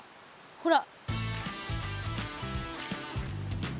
ほら！